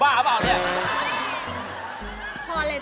หรือเปล่าเนี่ย